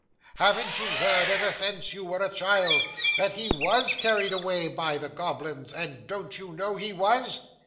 Haven't you heard ever since you were a child, that he _was _carried away by the goblins, and don't you know he was?